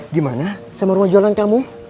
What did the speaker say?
gimana sama rumah jualan kamu